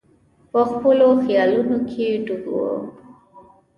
په خپلو خیالونو کې ډوب وو.